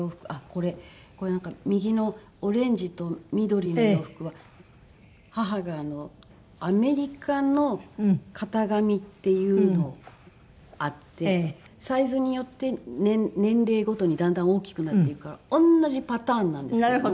これなんか右のオレンジと緑の洋服は母がアメリカの型紙っていうのあってサイズによって年齢ごとにだんだん大きくなっていくから同じパターンなんですけれども。